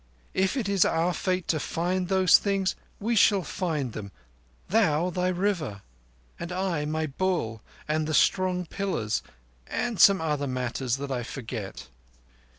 If it is our fate to find those things we shall find them—thou, thy River; and I, my Bull, and the Strong Pillars and some other matters that I forget."